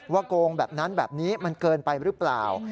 โกงแบบนั้นแบบนี้มันเกินไปหรือเปล่า